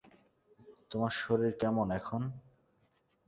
তোমার শরীর কেমন এখন?